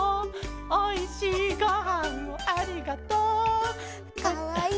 「おいしいごはんをありがとう」「かわいいかわいいけけけけ」